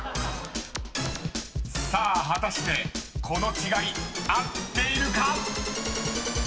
［さあ果たしてこの違い合っているか⁉］